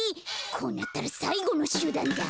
こうなったらさいごのしゅだんだ。